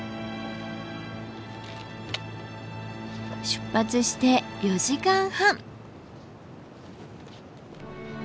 出発して４時間半。